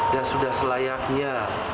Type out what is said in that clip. dan sudah selayaknya